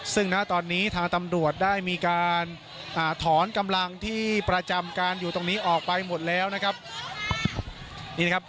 ซึ่งณตอนนี้ทางตำรวจได้มีการถอนกำลังที่ประจำการอยู่ตรงนี้ออกไปหมดแล้วนะครับนี่นะครับ